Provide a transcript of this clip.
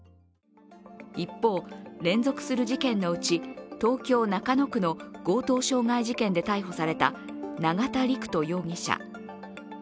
一方、連続する事件のうち、東京・中野区の強盗傷害事件で逮捕された永田陸人容疑者。